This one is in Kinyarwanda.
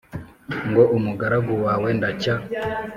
Ngo umugaragu wawe ndacya